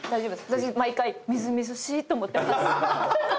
私毎回みずみずしいと思ってます。